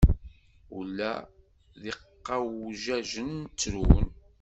Ula d iqawjajen ttrun.